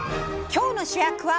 今日の主役は。